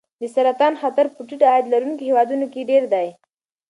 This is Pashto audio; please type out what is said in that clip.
د سرطان خطر په ټیټ عاید لرونکو هېوادونو کې ډېر دی.